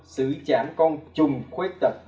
sử trảm con trùng khuyết tật